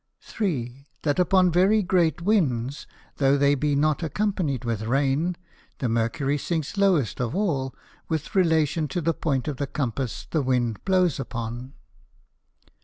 3. That upon very great Winds, though they be not accompanied with Rain, the Mercury sinks lowest of all, with relation to the Point of the Compass the Wind blows upon.